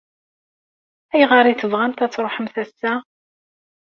Ayɣer i tebɣamt ad tṛuḥemt ass-a?